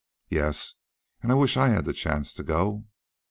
"Yes, and I wish I had the chance to go."